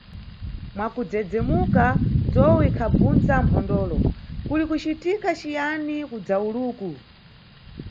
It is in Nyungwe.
Mwakudzedzemuka, ndzowu ikhabvundza mphondolo: Kuli kucitika ciyani kudzawuluku?